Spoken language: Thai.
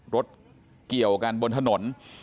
รถเกี่ยวกันบนถนน